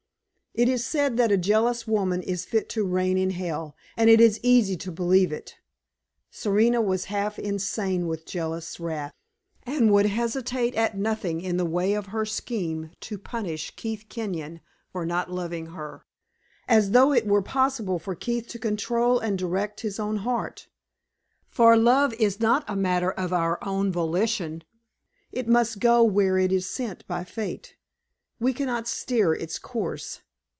It is said that a jealous woman is fit to reign in hell, and it is easy to believe it. Serena was half insane with jealous wrath, and would hesitate at nothing in the way of her scheme to punish Keith Kenyon for not loving her. As though it were possible for Keith to control and direct his own heart! For love is not a matter of our own volition. It must go where it is sent by fate; we can not steer its course.